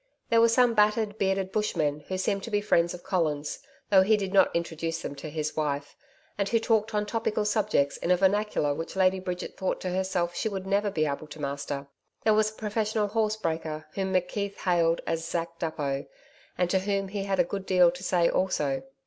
There were some battered, bearded bushmen who seemed to be friends of Colin's, though he did not introduce them to his wife, and who talked on topical subjects in a vernacular which Lady Bridget thought to herself she would never be able to master. There was a professional horse breaker whom McKeith hailed as Zack Duppo, and to whom he had a good deal to say also.